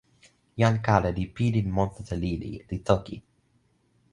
jan kala li pilin monsuta lili, li toki: